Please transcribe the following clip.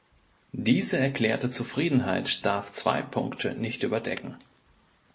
Diese erklärte Zufriedenheit darf zwei Punkte nicht überdecken.